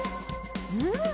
うん！